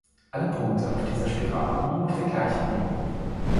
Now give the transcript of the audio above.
Alle Punkte auf dieser Spirale liegen in der gleichen Ebene.